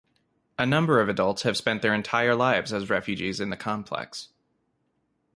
A number of adults have spent their entire lives as refugees in the complex.